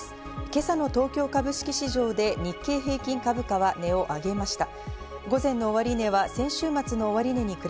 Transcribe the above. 今朝の東京株式市場で日経平均株価は値を上げました。